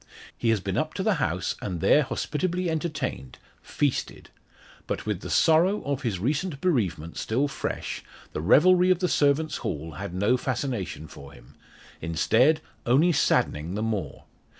He has been up to the house and there hospitably entertained feasted. But with the sorrow of his recent bereavement still fresh, the revelry of the servants' hall had no fascination for him instead, only saddening the more.